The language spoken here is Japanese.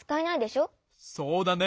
そうだね。